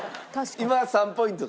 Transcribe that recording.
今３ポイント獲得。